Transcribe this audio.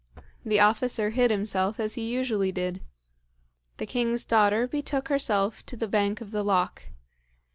The officer hid himself as he usually did. The king's daughter betook herself to the bank of the loch.